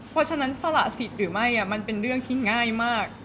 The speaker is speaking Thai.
เพราะฉะนั้นสละสิทธิ์หรือไม่มันเป็นเรื่องที่ง่ายมาก